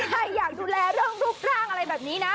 ใครอยากดูแลเรื่องรูปร่างอะไรแบบนี้นะ